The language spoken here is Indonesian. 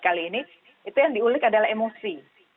kali ini itu yang diulik adalah emosi